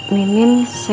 min min serius pak